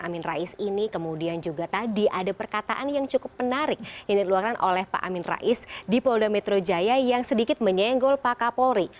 amin rais ini kemudian juga tadi ada perkataan yang cukup menarik yang dikeluarkan oleh pak amin rais di polda metro jaya yang sedikit menyenggol pak kapolri